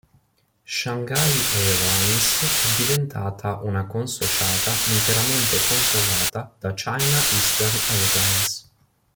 Shanghai Airlines è diventata una consociata interamente controllata da China Eastern Airlines.